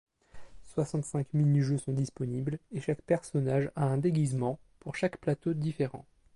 Soixante-cinq mini-jeux sont disponibles et chaque personnage à un déguisement pour chaque plateau différent.